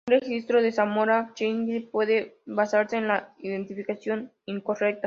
Un registro de Zamora-Chinchipe puede basarse en una identificación incorrecta.